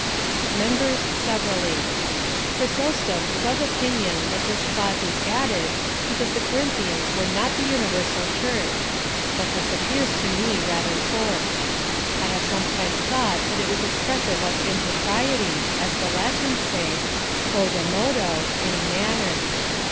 Members severally. Chrysostom is of opinion, that this clause is added, because the Corinthians were not the uni versal Church ; but this appears to me rather forced.^ I have sometimes thought that it was expressive of impropriety, as the Latins say — Quodammodo,^ (in a manner.)